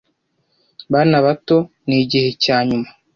Bana bato ni igihe cya nyuma